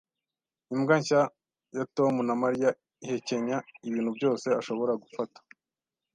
Imbwa nshya ya Tom na Mariya ihekenya ibintu byose ashobora gufata,